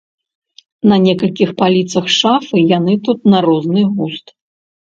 На некалькіх паліцах шафы яны тут на розны густ.